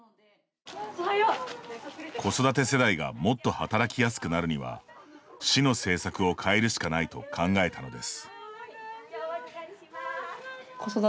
子育て世代がもっと働きやすくなるには市の政策を変えるしかないと考えたのです。